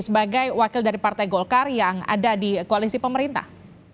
sebagai wakil dari partai golkar yang ada di koalisi pemerintah